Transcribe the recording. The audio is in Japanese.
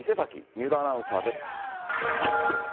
三浦アナウンサーです。